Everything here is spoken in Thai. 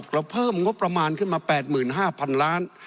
เราเพิ่มงบประมาณขึ้นมา๘๕๐๐๐ล้าน